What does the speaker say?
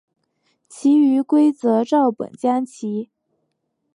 其余规则照本将棋。